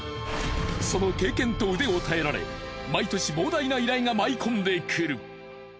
その経験と腕を頼られ毎年膨大な依頼が舞い込んでくる。